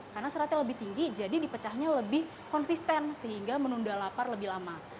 karena seratnya lebih tinggi jadi dipecahnya lebih konsisten sehingga menunda lapar lebih lama